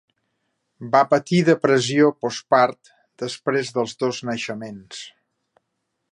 Va patir depressió postpart després dels dos naixements.